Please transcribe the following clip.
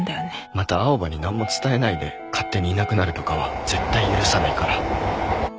また青羽に何も伝えないで勝手にいなくなるとかは絶対許さないから。